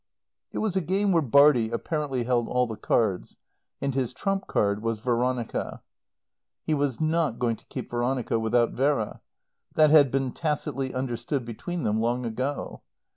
It was a game where Bartie apparently held all the cards. And his trump card was Veronica. He was not going to keep Veronica without Vera. That had been tacitly understood between them long ago.